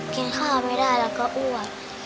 กินข้าวไม่ได้แล้วก็อ้วก